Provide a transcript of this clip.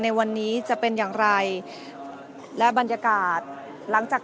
เมื่อเวลาอันดับสุดท้ายเมื่อเวลาอันดับสุดท้าย